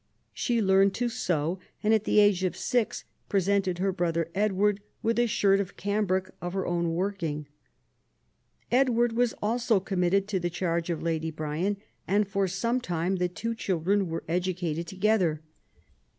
She learnt to sew, and at the age of six presented her brother Edward with a shirt of cambric of her own working. Edward was also committed to the charge of Lady Bryan, and for some time the two children were educated together.